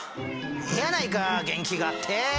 ええやないか元気があって。